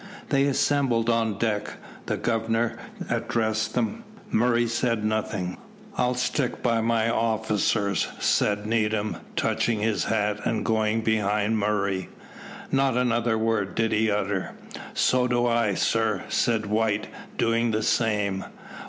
They assembled on deck. The Governor addressed them. Murray said nothing. "I sticks by my officers," said Needham, touching his hat and going behind Murray. Not another word did he utter. "So do I, sir," said White, doing the same.